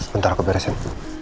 bentar aku beresin